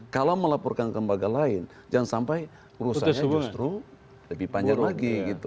kalau melaporkan ke lembaga lain jangan sampai urusannya justru lebih panjang lagi gitu